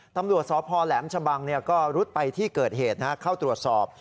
ตำรวจสพแหลมชะบังก็รุดไปที่เกิดเหตุเข้าตรวจสอบ